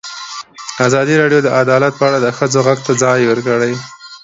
ازادي راډیو د عدالت په اړه د ښځو غږ ته ځای ورکړی.